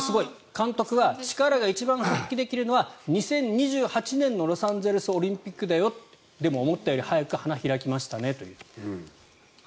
監督は力が一番発揮できるのは２０２８年のロサンゼルスオリンピックでも思ったより早く花開きましたねと。